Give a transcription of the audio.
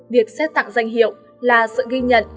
việc xét tặng danh hiệu là sự ghi nhận